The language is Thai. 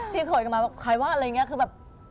พี่เผยก็มาใครว่าอะไรอย่างงี้